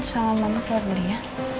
sama mama keluar beli ya